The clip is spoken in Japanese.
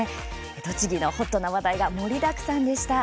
栃木のホットな話題が盛りだくさんでした。